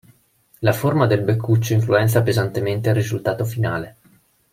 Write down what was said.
La forma del beccuccio influenza pesantemente il risultato finale.